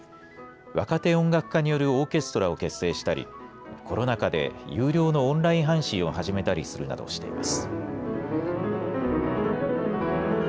若手音楽家によるオーケストラを結成したりコロナ禍で有料のオンライン配信を始めたりするなどしています。